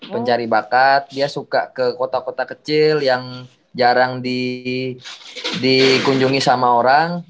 pencari bakat dia suka ke kota kota kecil yang jarang di di kunjungi sama orang